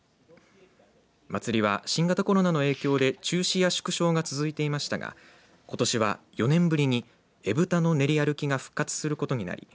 祭りは新型コロナの影響で中止や縮小が続いていましたがことしは４年ぶりに絵ぶたの練り歩きが復活することになり